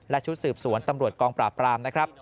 และชุดสืบสวนตำรวจกองปราบปรามนะครับ